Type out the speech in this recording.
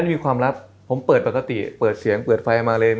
มีความลับผมเปิดปกติเปิดเสียงเปิดไฟมาเลน